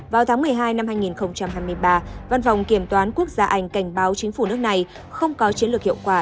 vào tháng một mươi hai năm hai nghìn hai mươi ba văn phòng kiểm toán quốc gia anh cảnh báo chính phủ nước này không có chiến lược hiệu quả